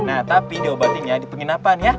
nah tapi diobatin ya di penginapan ya